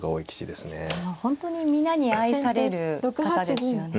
本当に皆に愛される方ですよね。